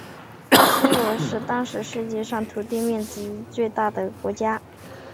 苏俄是当时世界上土地面积最大的国家。